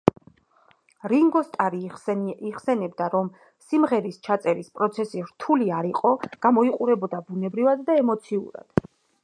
რინგო სტარი იხსენებდა, რომ სიმღერის ჩაწერის პროცესი რთული არ იყო, გამოიყურებოდა ბუნებრივად და ემოციურად.